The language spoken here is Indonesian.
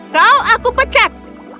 kau aku pecat